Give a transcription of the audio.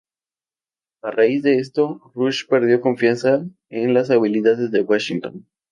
A raíz de esto Rush perdió confianza en las habilidades de Washington.